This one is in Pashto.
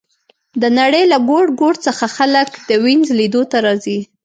د نړۍ له ګوټ ګوټ څخه خلک د وینز لیدو ته راځي